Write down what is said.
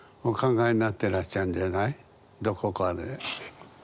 どこかで。